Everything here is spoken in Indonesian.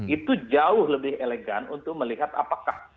itu jauh lebih elegan untuk melihat apakah